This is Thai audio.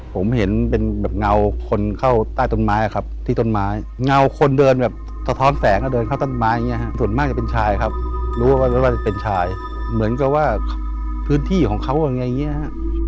ผมเห็นเป็นแบบเงาคนเข้าใต้ต้นไม้ครับที่ต้นไม้เงาคนเดินแบบสะท้อนแสงแล้วเดินเข้าต้นไม้อย่างเงี้ฮะส่วนมากจะเป็นชายครับรู้ว่าจะเป็นชายเหมือนกับว่าพื้นที่ของเขาอย่างเงี้ยฮะ